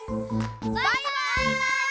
バイバイ！